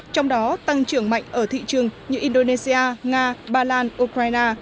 trong đó tăng trưởng mạnh ở thị trường như indonesia nga ba lan ukraine